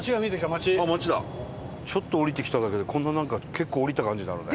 ちょっと下りてきただけでこんななんか結構下りた感じになるね。